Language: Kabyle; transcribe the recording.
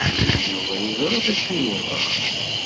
Yuba yeẓra d acu yebɣa.